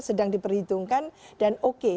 sedang diperhitungkan dan oke